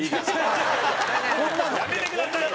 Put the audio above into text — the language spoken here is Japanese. やめてくださいよ。